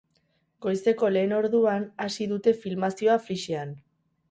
Goizeko lehen orduan hasi dute filmazioa, flyschean.